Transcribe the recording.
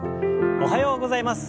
おはようございます。